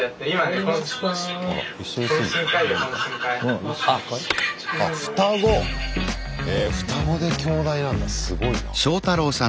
へぇ双子で京大なんだすごいな。